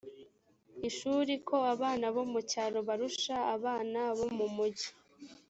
ishuri ko abana bo mu cyaro barusha abana bo mu mugi